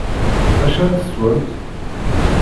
D acu ara teswemt?